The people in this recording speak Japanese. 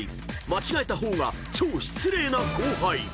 ［間違えた方が超失礼な後輩］